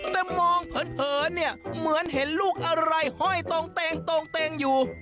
แต่มองเผินเนี่ยเหมือนเห็นลูกอะไรห้อยตรงเต็งตรงเต็งอยู่